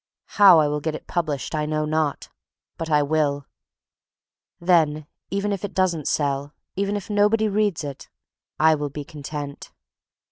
How I will get it published I know not; but I will. Then even if it doesn't sell, even if nobody reads it, I will be content.